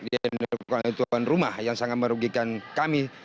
di rumah yang sangat merugikan kami